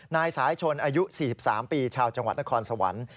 นายสายชนอายุ๔๓ปีชาวจังหวัดนครสวรรค์